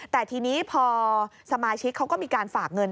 แต่ทีนี้พอสมาชิกเขาก็มีการฝากเงิน